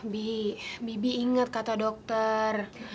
bibi ingat kata dokter